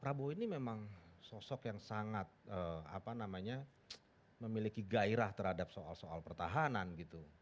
prabowo ini memang sosok yang sangat memiliki gairah terhadap soal soal pertahanan gitu